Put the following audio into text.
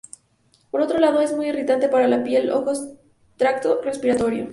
Por otro lado, es muy irritante para la piel, ojos y tracto respiratorio.